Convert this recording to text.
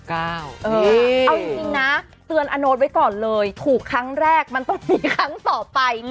เอาจริงนะเตือนอโน๊ตไว้ก่อนเลยถูกครั้งแรกมันต้องมีครั้งต่อไป